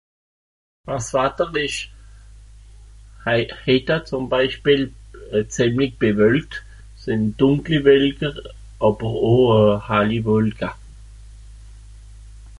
was watter esch he hette zum beischpiel a zìmmlig bewölkt sìn dunkli welker àber ow hàlli wòlka